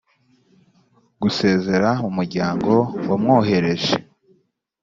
gusezera mu muryango wamwohereje